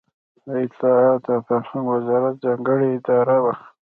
دا د اطلاعاتو او فرهنګ وزارت ځانګړې اداره وه.